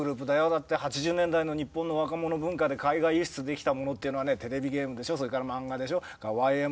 だって８０年代の日本の若者文化で海外輸出できたものっていうのはねテレビゲームでしょそれから漫画でしょＹ．Ｍ．Ｏ